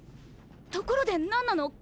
ところで何なの？